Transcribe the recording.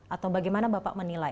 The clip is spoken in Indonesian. atau bagaimana bapak menilai